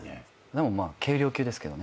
でも軽量級ですけどね。